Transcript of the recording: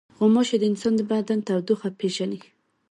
غوماشې د انسان د بدن تودوخه پېژني.